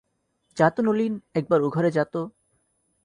যা তো নলিন, একবার ও ঘরে যা তো।